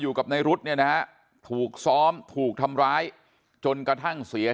กับในรุ๊ดเนี่ยนะฮะถูกซ้อมถูกทำร้ายจนกระทั่งเสีย